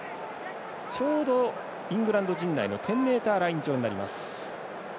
ちょうど、イングランド陣内の１０ｍライン上になります。